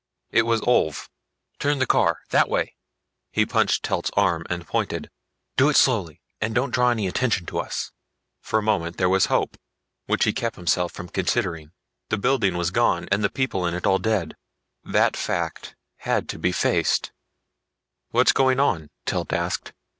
It was Ulv. "Turn the car that way!" He punched Telt's arm and pointed. "Do it slowly and don't draw any attention to us." For a moment there was hope, which he kept himself from considering. The building was gone, and the people in it all dead. That fact had to be faced. "What's going on?" Telt asked.